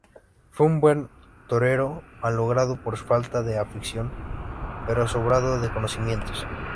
Fue un buen torero, malogrado por su falta de afición, pero sobrado de conocimientos.